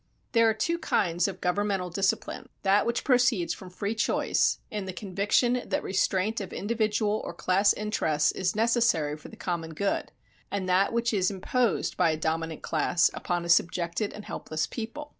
There are two kinds of governmental discipline: that which proceeds from free choice, in the conviction that restraint of individual or class interests is necessary for the common good; and that which is imposed by a dominant class, upon a subjected and helpless people.